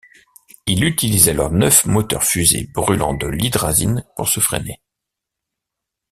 Il utilise alors neuf moteurs-fusées brulant de l'hydrazine pour se freiner.